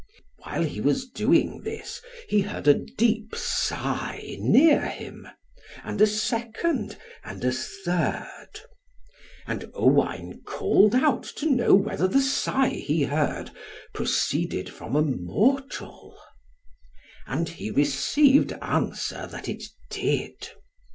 While he was doing this, he heard a deep sigh near him, and a second, and a third. And Owain called out to know whether the sigh he heard proceeded from a mortal; and he received answer, that it did.